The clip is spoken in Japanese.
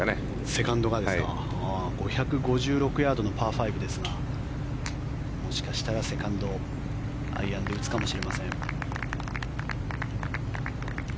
セカンドがですか５５６ヤードのパー５ですがもしかしたらセカンドアイアンで打つかもしれません。